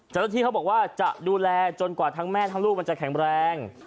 เจ้าหน้าที่เขาบอกว่าจะดูแลจนกว่าทั้งแม่ทั้งลูกมันจะแข็งแรง